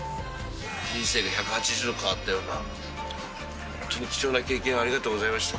人生が１８０度変わったような、本当に貴重な経験ありがとうございました。